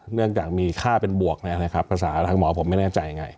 เนื่องจากมีค่าเป็นบวกนะครับภาษาทางหมอผมไม่แน่ใจไง